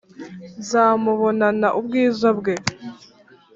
Nzamubonana ubwiza bwe